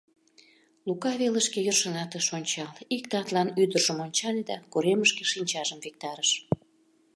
Лука велышке йӧршынат ыш ончал, ик татлан ӱдыржым ончале да коремышке шинчажым виктарыш.